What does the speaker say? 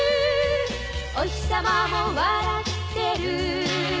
「おひさまも笑ってる」